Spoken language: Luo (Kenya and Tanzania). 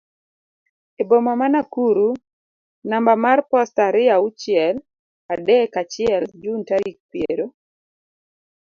e boma ma Nakuru namba mar posta ariyo auchiel adek achiel Jun tarik piero